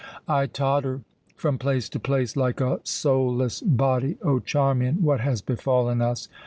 I totter from place to place like a soulless body. O Charmian! what has befallen us?